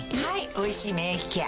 「おいしい免疫ケア」